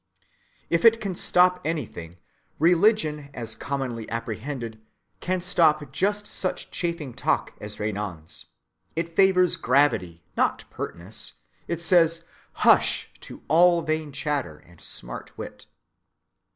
If it can stop anything, religion as commonly apprehended can stop just such chaffing talk as Renan's. It favors gravity, not pertness; it says "hush" to all vain chatter and smart wit.